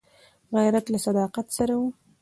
غیرت له صداقت سره وي